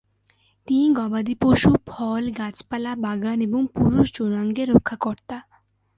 তিনি গবাদিপশু, ফল, গাছপালা, বাগান এবং পুরুষ যৌনাঙ্গের রক্ষাকর্তা।